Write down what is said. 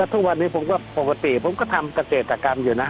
ทุกวันนี้ผมว่าปกติผมก็ทำกระเทศกากรรมอยู่นะ